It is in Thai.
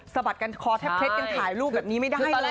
สะบัดกันคอแทบเท็จเป็นถ่ายลูกแบบนี้ไม่ได้เลย